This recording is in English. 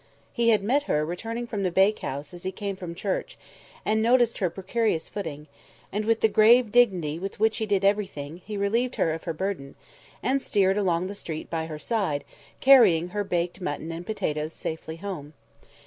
He had met her returning from the bakehouse as he came from church, and noticed her precarious footing; and, with the grave dignity with which he did everything, he relieved her of her burden, and steered along the street by her side, carrying her baked mutton and potatoes safely home.